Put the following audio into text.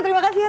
terima kasih ya